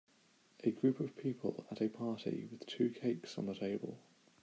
A group of people at a party with two cakes on the table.